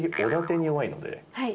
はい。